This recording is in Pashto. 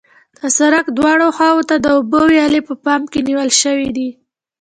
د سرک دواړو خواو ته د اوبو ویالې په پام کې نیول شوې دي